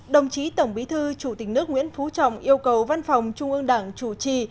đồng chí tổng bí thư chủ tịch nước nguyễn phú trọng yêu cầu văn phòng trung ương đảng chủ trì